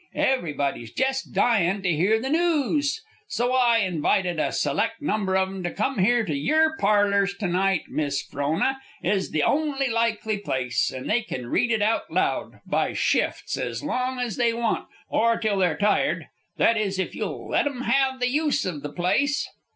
Everybody's jest dyin' to hear the noos. So I invited a select number of 'em to come here to yer parlors to night, Miss Frona, ez the only likely place, an' they kin read it out loud, by shifts, ez long ez they want or till they're tired that is, if you'll let 'em have the use of the place."